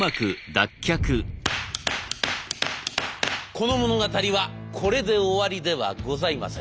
この物語はこれで終わりではございません。